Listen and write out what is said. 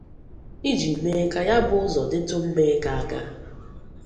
iji mee ka ya bụ ụzọ dịtụ mma ịga aga.